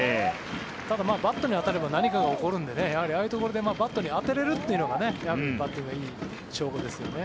ただ、バットに当たれば何かが起こるのでああいうところでバットに当てられるというのがバッティングがいい証拠ですね。